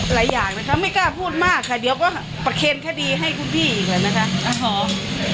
หลายอย่างนะคะไม่กล้าพูดมากค่ะเดี๋ยวก็ประเคนคดีให้คุณพี่อีกหน่อยนะคะ